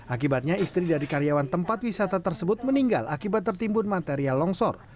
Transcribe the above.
akibatnya istri dari karyawan tempat wisata tersebut meninggal akibat tertimbun material longsor